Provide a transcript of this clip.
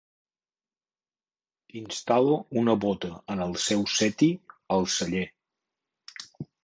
Instal·lo una bóta en el seu seti, al celler.